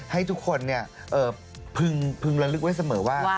ให้ทุกคนพึงระลึกไว้เสมอว่า